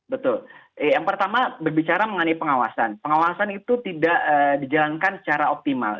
betul yang pertama berbicara mengenai pengawasan pengawasan itu tidak dijalankan secara optimal